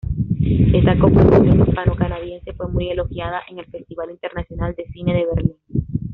Esta coproducción hispano-canadiense fue muy elogiada en el Festival Internacional de Cine de Berlín.